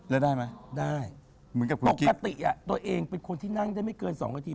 แล้วได้ไหมได้ตกติตัวเองเป็นคนที่นั่งได้ไม่เกิน๒กว่าที